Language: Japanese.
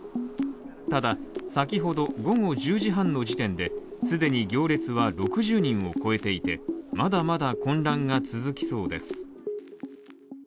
ただ、先ほど午後１０時半の時点で既に行列は６０人を超えていて、まだまだ混乱が続きそうです。